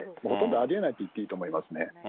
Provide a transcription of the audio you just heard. ほとんどありえないと言っていいと思いますね。